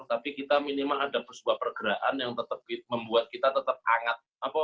tapi kita minimal ada sebuah pergerakan yang membuat kita tetap hangat